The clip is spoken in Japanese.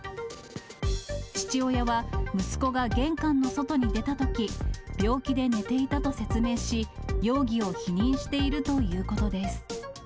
父親は、息子が玄関の外に出たとき、病気で寝ていたと説明し、容疑を否認しているということです。